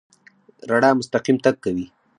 رڼا مستقیم تګ کوي.